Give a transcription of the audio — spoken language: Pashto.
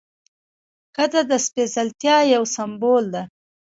ښځه د سپېڅلتیا یو سمبول ده.